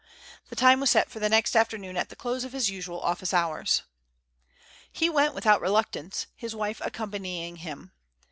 The time was set for the next afternoon at the close of his usual office hours. He went without reluctance, his wife accompanying him.